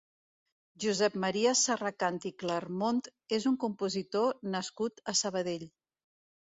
Josep Maria Serracant i Clermont és un compositor nascut a Sabadell.